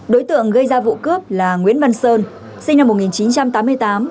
đối tượng gây ra vụ cướp là nguyễn văn sơn sinh năm một nghìn chín trăm tám mươi tám